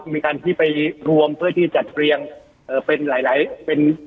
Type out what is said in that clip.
มีการที่ไปรวมเพื่อที่จัดเรียงเอ่อเป็นหลายหลายเป็น